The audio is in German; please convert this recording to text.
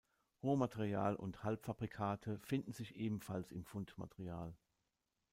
Rohmaterial und Halbfabrikate finden sich ebenfalls im Fundmaterial.